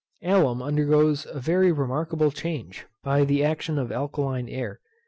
Alum undergoes a very remarkable change by the action of alkaline air.